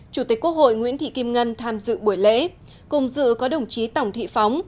chủ tịch quốc hội nguyễn thị kim ngân tham dự buổi lễ cùng dự có đồng chí tổng thị phóng